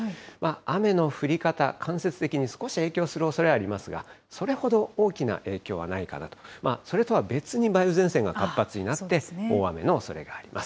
雨の降り方、間接的に少し影響するおそれはありますが、それほど大きな影響はないかなと、それとは別に梅雨前線が活発になって、大雨のおそれがあります。